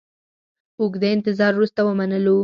اوږده انتظار وروسته ومنلو.